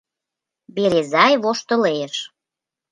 — Березай воштылеш.